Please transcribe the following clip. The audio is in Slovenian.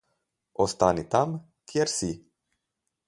Ostani tam, kjer si.